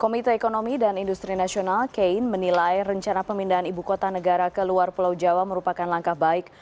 komite ekonomi dan industri nasional kein menilai rencana pemindahan ibu kota negara ke luar pulau jawa merupakan langkah baik